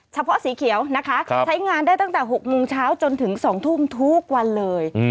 ใช้งานได้ตั้งแต่๖โมงเช้าจนถึง๒ทุ่มทุกวันเลย